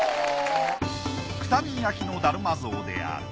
九谷焼の達磨像である。